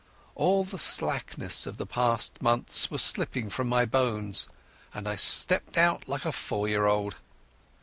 All the slackness of the past months was slipping from my bones, and I stepped out like a four year old.